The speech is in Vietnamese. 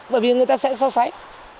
bởi vì người ta sẽ xót xách